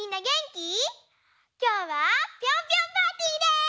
きょうはピョンピョンパーティーです！